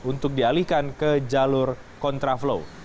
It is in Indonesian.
untuk dialihkan ke jalur kontraflow